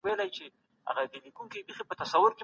فارابي غوښتل چي خلګ د فاضله ښار په لور ولاړ سي.